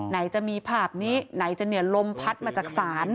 ไหนจะมีภาพนี้ไหนจะเนี่ยลมพัดมาจากศาล